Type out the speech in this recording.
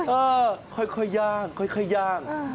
เออค่อยย่าง